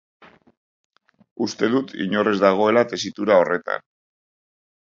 Uste dut inor ez dagoela tesitura horretan.